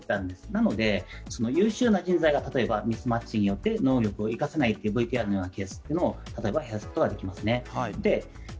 なので、優秀な人材がミスマッチングによって能力を生かせないということを例えば減らすことができますね。